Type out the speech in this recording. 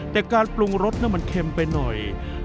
แต่การปรุงรสมันเค็มไปหน่อย